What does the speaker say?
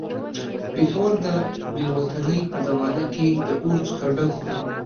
پېښور د بې وطنۍ په زمانه کې د اور څخه ډک وو.